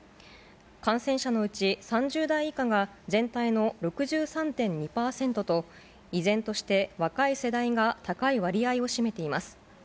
感染者のうち３０代以下が全体の６３．２％と、依然として若い世代が高い割合を占めています。